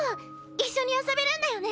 一緒に遊べるんだよね？